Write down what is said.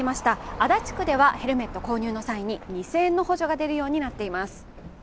足立区では、ヘルメット購入の際に２０００円の補助が出るようになっています。